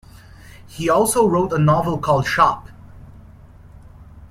He also wrote a novel called Shop!